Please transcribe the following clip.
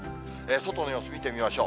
外の様子見てみましょう。